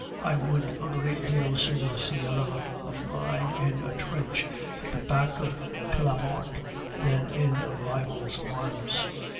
I would a great deal sooner see a lover of mine in a trench at the back of Clamart than in a rival's arms."